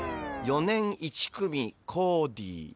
「４年１組コーディー」。